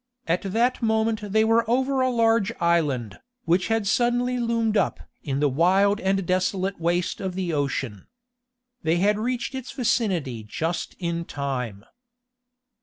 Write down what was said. At that moment they were over a large island, which had suddenly loomed up in the wild and desolate waste of the ocean. They had reached its vicinity just in time.